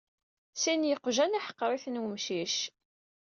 Sin n yiqjan yeḥqer-iten umcic.